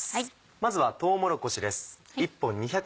まずはとうもろこしです。